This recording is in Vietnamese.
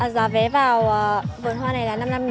giá vé vào vườn hoa này là năm năm